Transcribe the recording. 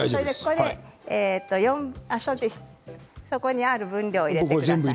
そこにある分量入れてください。